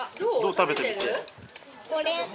食べてみて。